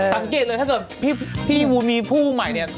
สังเกตเลยถ้าเกิดพี่วูมีผู้ใหม่เนี่ย